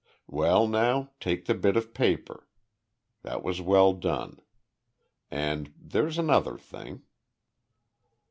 Well now, take the bit of paper That was well done. And there's another thing."